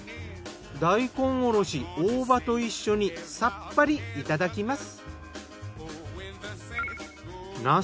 大根おろし大葉と一緒にさっぱりいただきます。